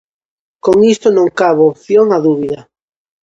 Con isto, non cabo opción á dúbida.